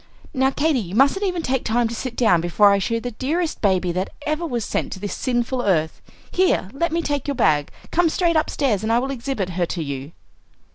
"Now, Katy, you mustn't even take time to sit down before I show you the dearest baby that ever was sent to this sinful earth. Here, let me take your bag; come straight upstairs, and I will exhibit her to you."